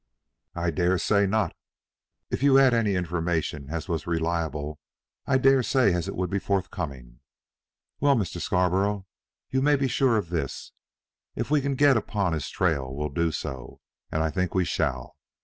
"I dare say not. If you'd any information as was reliable I dare say as it would be forthcoming. Well, Mr. Scarborough, you may be sure of this: if we can get upon his trail we'll do so, and I think we shall.